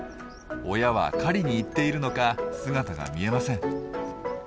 親は狩りに行っているのか姿が見えません。